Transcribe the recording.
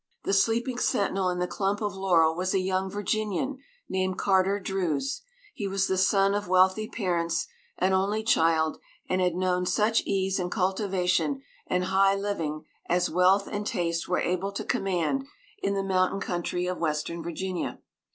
The sleeping sentinel in the clump of laurel was a young Virginian named Carter Druse. He was the son of wealthy parents, an only child, and had known such ease and cultivation and high living as wealth and taste were able to command in the mountain country of Western Virginia.